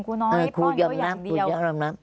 ครูน้อยป้อนก็อย่างเดียวครูยอมรับครูยอมรับ